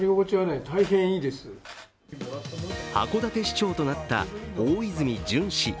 函館市長となった大泉潤氏。